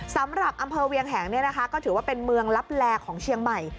สำหรับอำเภอเวียงแหงก็ถือว่าเป็นเมืองลับแลของเชียงใหม่